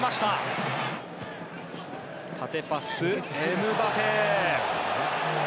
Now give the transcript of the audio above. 縦パス、エムバペへ。